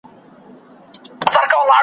یو ځل دي قبلې ته در بللی وای .